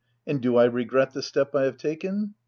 And do I regret the step I have taken